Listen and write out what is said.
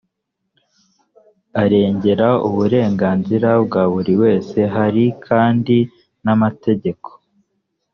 arengera uburenganzira bwa buri wese hari kandi n amategeko